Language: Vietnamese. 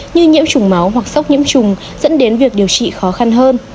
như nhiễm trùng máu hoặc sốc nhiễm trùng dẫn đến việc điều trị khó khăn hơn